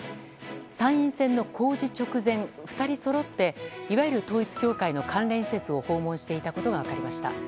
参院選の公示直前、２人そろっていわゆる統一教会の関連施設を訪問していたことが分かりました。